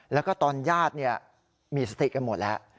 แล้วก็ตอนญาติมีสติกันหมดแล้ว